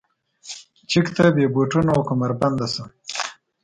چک ته بې بوټونو او کمربنده شه.